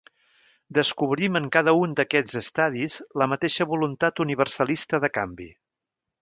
Descobrim en cada un d'aquests estadis la mateixa voluntat universalista de canvi.